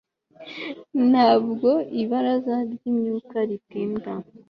ntabwo ibaraza ryimyuka ritinda